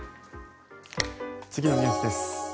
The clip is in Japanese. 次のニュースです。